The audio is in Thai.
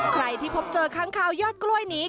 ใครที่พบเจอค้างคาวยอดกล้วยนี้